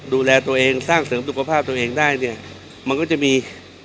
ดูแลตัวเองสร้างเสริมศุกรภาพตัวเองได้